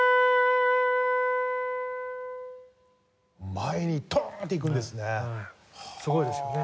前にトーン！っていくんですね。